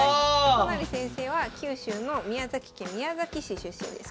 都成先生は九州の宮崎県宮崎市出身です。